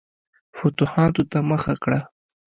فتوحاتو ته مخه کړه.